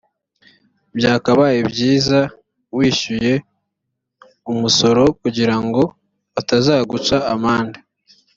byakabaye byiza wishyuye umusoro kugirango batazaguca amande